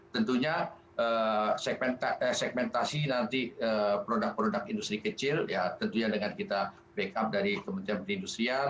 tentunya segmentasi nanti produk produk industri kecil ya tentunya dengan kita backup dari kementerian perindustrian